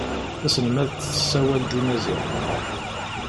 Taselmadt tessawel-ad i Maziɣ.